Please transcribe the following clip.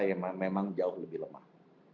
yang memang jauh lebih lemah